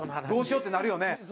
どうしよう？ってなるよね。